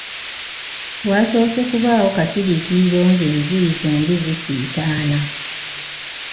Waasoose kubaawo kasiriikiriro ng’enjuyi zombi zisiitaana.